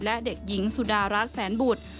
และเด็กหญิงสุดารัฐแสนบุตร